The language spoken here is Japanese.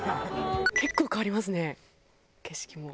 結構変わりますね景色も。